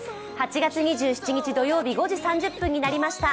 ８月２７日土曜日５時３０分になりました。